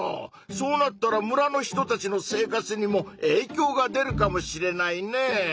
そうなったら村の人たちの生活にもえいきょうが出るかもしれないねぇ。